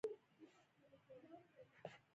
• ته د ژوند رڼا ته تمه نه، دلیل یې.